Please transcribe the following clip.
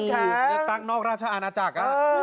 เลือกตั้งนอกราชอาณาจักร